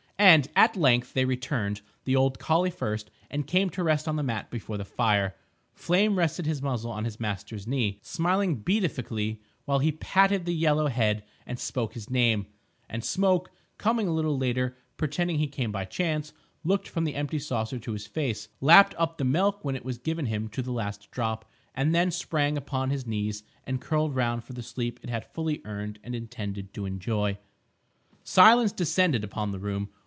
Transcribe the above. And, at length, they returned, the old collie first, and came to rest on the mat before the fire. Flame rested his muzzle on his master's knee, smiling beatifically while he patted the yellow head and spoke his name; and Smoke, coming a little later, pretending he came by chance, looked from the empty saucer to his face, lapped up the milk when it was given him to the last drop, and then sprang upon his knees and curled round for the sleep it had fully earned and intended to enjoy. Silence descended upon the room.